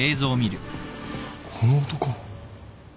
この男。